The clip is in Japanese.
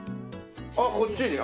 あっこっちに。